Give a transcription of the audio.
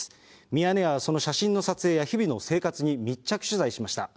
ミヤネ屋はその写真集の日々の生活に密着取材しました。